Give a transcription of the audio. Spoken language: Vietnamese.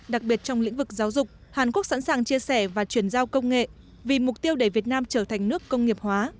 đặc biệt trong lĩnh vực giáo dục hàn quốc sẵn sàng chia sẻ và chuyển giao công nghệ vì mục tiêu để việt nam trở thành nước công nghiệp hóa